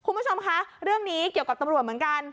คุณผู้ชมคะเรื่องนี้เกี่ยวกับตำรวจเหมือนกัน